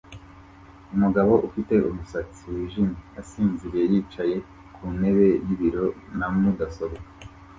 Umugabo ufite umusatsi wijimye asinziriye yicaye ku ntebe y'ibiro na mudasobwa